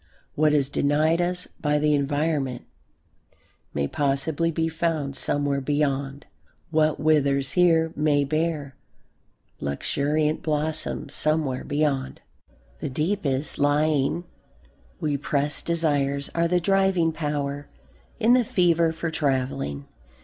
What is denied us by the environment may possibly be found somewhere beyond. What withers here may bear luxuriant blossoms somewhere beyond.... The deepest lying, repressed desires are the driving power in the fever for travelling.